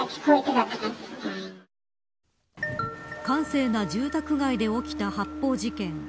閑静な住宅街で起きた発砲事件。